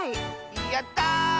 やった！